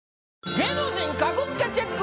芸能人格付けチェック！